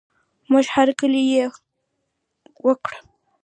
موږ هر کلی یې وکړ.